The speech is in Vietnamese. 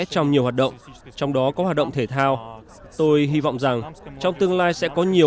trong nhiều hoạt động trong đó có hoạt động thể thao tôi hy vọng rằng trong tương lai sẽ có nhiều